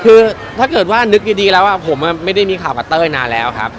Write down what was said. คือถ้าเกิดว่านึกดีแล้วผมไม่ได้มีข่าวกับเต้ยนานแล้วครับ